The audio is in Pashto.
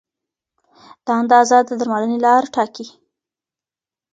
دا اندازه د درملنې لار ټاکي.